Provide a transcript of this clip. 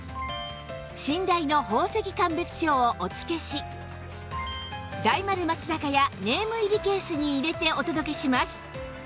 信頼の宝石鑑別書をお付けし大丸松坂屋ネーム入りケースに入れてお届けします